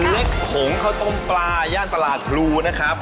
เล็กผงข้าวต้มปลาย่านตลาดพลูนะครับ